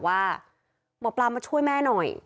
ว่าหมอปลามาช่วยแม่หน่อย